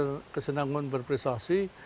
saya berhasil berkesenangan berprestasi